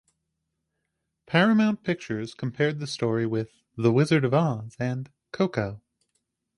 Paramount Pictures compared the story with "The Wizard of Oz" and "Coco".